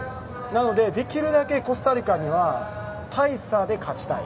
なのでできるだけコスタリカには大差で勝ちたい。